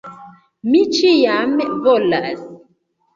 Mi ĉiam volas!